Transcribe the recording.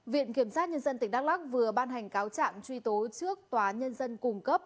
viện kiểm sát nhân dân tỉnh đắk lắc vừa ban hành cáo trạng truy tố trước tòa nhân dân cung cấp